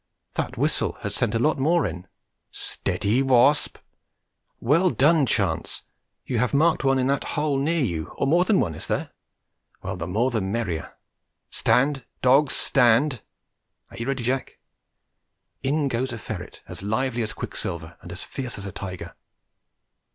that whistle has sent a lot more in. Steady, Wasp! Well done, Chance; you have marked one in that hole near you, or more than one, is there? Well, the more the merrier! Stand, dogs, stand! Are you ready, Jack? And in goes a ferret as lively as quicksilver and as fierce as a tiger.